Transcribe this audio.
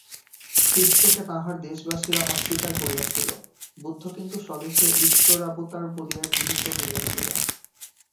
খ্রীষ্টকে তাঁহার দেশবাসীরা অস্বীকার করিয়াছিল, বুদ্ধ কিন্তু স্বদেশে ঈশ্বরাবতার বলিয়া গৃহীত হইয়াছিলেন।